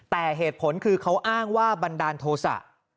แต่เหตุผลคือเขาอ้างว่าบันดาลโทษะ